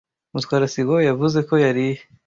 Mutwara sibo yavuze ko yariye.